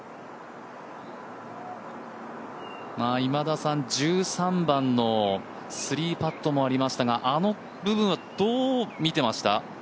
今田さん、１３番の３パットもありましたがあの部分はどう見てました？